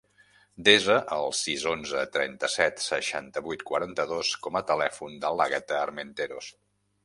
Desa el sis, onze, trenta-set, seixanta-vuit, quaranta-dos com a telèfon de l'Àgata Armenteros.